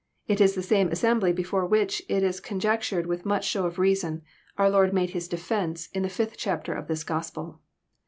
It is the same assembly before which, it is conjectured with much show of reason, our Lord made His defence, in the fifth chapter of this gospel.